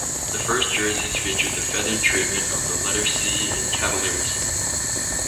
The first jerseys featured the feathered treatment of the letter C in Cavaliers.